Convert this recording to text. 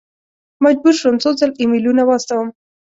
مجبور شوم څو ځل ایمیلونه واستوم.